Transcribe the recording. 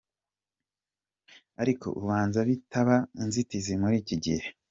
Ariko ubanza bitaba inzitizi muri iki gihe.